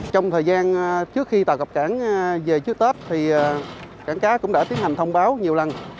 trong thời gian trước khi tàu cập cảng về trước tết thì cảng cá cũng đã tiến hành thông báo nhiều lần